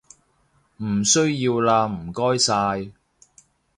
唔需要喇唔該晒